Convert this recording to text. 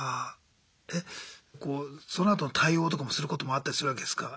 えこうそのあとの対応とかもすることもあったりするわけですか？